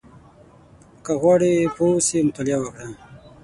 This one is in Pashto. • که غواړې پوه اوسې، مطالعه وکړه.